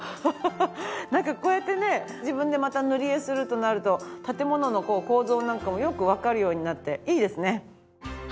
なんかこうやってね自分で塗り絵するとなると建物の構造なんかもよくわかるようになっていいですね。